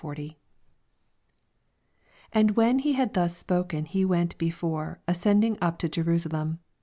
28 And when he had thus spoken, he went before, ascending up to Je raBalem.